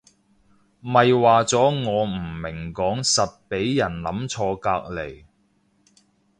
咪話咗我唔明講實畀人諗錯隔離